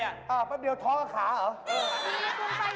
อ้าวแป๊บเดียวท้อขาเหรอ